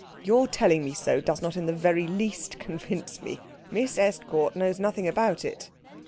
"Your telling me so does not in the very least convince me. Miss Estcourt knows nothing about it."